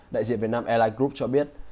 đại diện việt nam airline group cho biết